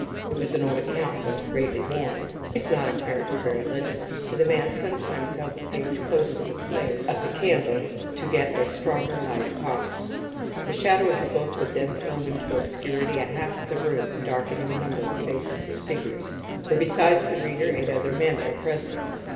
It was an old account book, greatly worn; and the writing was not, apparently, very legible, for the man sometimes held the page close to the flame of the candle to get a stronger light upon it. The shadow of the book would then throw into obscurity a half of the room, darkening a number of faces and figures; for besides the reader, eight other men were present.